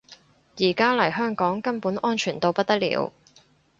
而家嚟香港根本安全到不得了